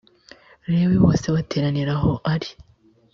lewi bose bateranira aho ari